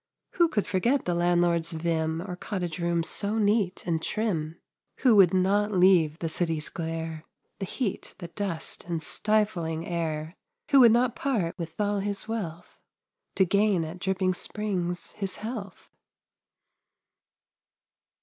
Who could forget the landlord's vim Or cottage rooms so neat and trim? Who would not leave the city's glare, The heat, the dust, and stifling air Who would not part with all his wealth To gain at Dripping Springs his health?